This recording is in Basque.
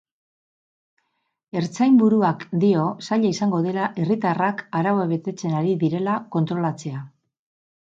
Ertzain buruak dio zaila izango dela herritarrak arauak betetzen ari direla kontrolatzea.